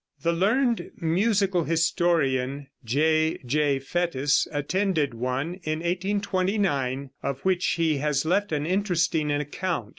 The learned musical historian, J.J. Fétis, attended one in 1829, of which he has left an interesting account.